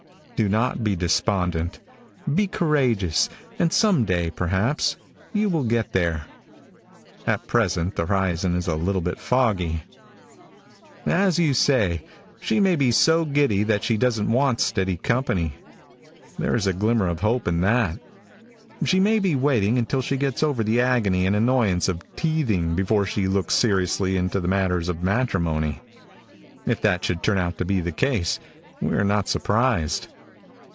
Do not be despondent. Be courageous, and some day, perhaps, you will get there. At present the horizon is a little bit foggy. As you say, she may be so giddy that she doesn't want steady company. There is a glimmer of hope in that. She may be waiting till she gets over the agony and annoyance of teething before she looks seriously into the matters of matrimony. If that should turn out to be the case we are not surprised.